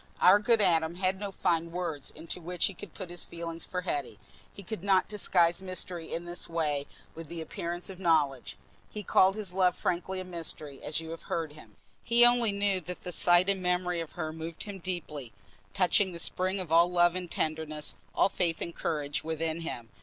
Our good Adam had no fine words into which he could put his feeling for Hetty: he could not disguise mystery in this way with the appearance of knowledge; he called his love frankly a mystery, as you have heard him. He only knew that the sight and memory of her moved him deeply, touching the spring of all love and tenderness, all faith and courage within him.